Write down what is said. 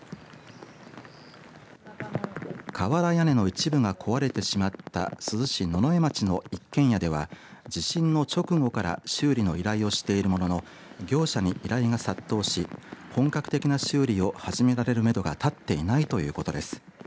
瓦屋根の一部が壊れてしまった珠洲市野々江町の一軒家では地震の直後から修理の依頼をしているものの業者に依頼が殺到し本格的な修理を始められるめどが立っていないということです。